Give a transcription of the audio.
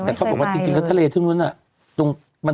แต่เขาบอกว่าถึงทุนทะเลทั่วนู้นนุ่นน่ะ